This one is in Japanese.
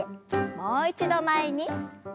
もう一度前に。